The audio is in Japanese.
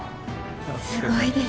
すごいです。